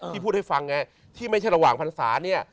ที่พูดให้ฟังไงที่ไม่ใช่ระหว่างพันธ์ศาสตร์เนี่ย